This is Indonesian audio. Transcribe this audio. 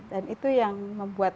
dan itu yang membuat